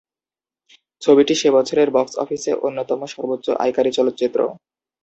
ছবিটি সে বছরের বক্স অফিসে অন্যতম সর্বোচ্চ আয়কারী চলচ্চিত্র।